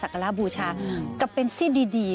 กลางแม่นก็คืออันที่นี่